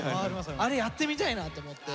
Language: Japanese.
あれやってみたいなと思って。